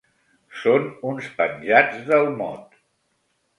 Són uns penjats del mot.